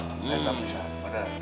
ya tapi saya badar